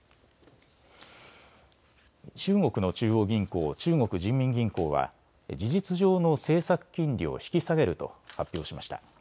中国の中央銀行、中国人民銀行は事実上の政策金利を引き下げると発表しました。